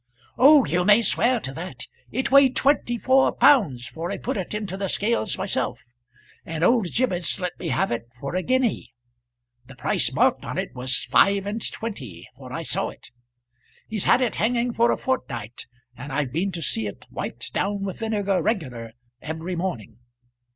"Oh, you may swear to that. It weighed twenty four pounds, for I put it into the scales myself, and old Gibbetts let me have it for a guinea. The price marked on it was five and twenty, for I saw it. He's had it hanging for a fortnight, and I've been to see it wiped down with vinegar regular every morning.